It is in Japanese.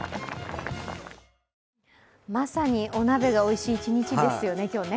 まさにお鍋がおいしい一日ですよね、今日ね。